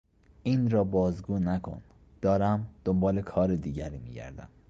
این را بازگو نکن; دارم دنبال کار دیگری میگردم.